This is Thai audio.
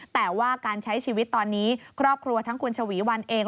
แต่ว่าการใช้ชีวิตตอนนี้ครอบครัวทั้งคุณชวีวันเอง